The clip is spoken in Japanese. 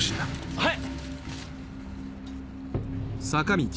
はい！